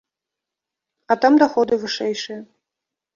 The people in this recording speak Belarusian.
А там даходы вышэйшыя.